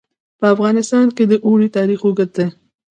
په افغانستان کې د اوړي تاریخ اوږد دی.